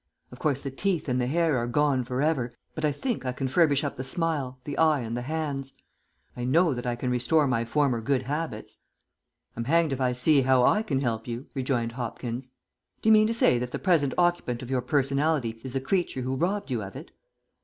Of course the teeth and the hair are gone for ever, but I think I can furbish up the smile, the eye and the hands. I know that I can restore my former good habits." "I'm hanged if I see how I can help you," rejoined Hopkins. "Do you mean to say that the present occupant of your personality is the creature who robbed you of it?"